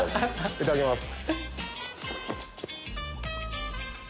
いただきます。